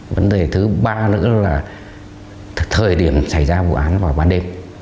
vấn đề thứ ba nữa là thời điểm xảy ra vụ án vào ban đêm